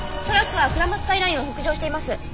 トラックは鞍馬スカイラインを北上しています。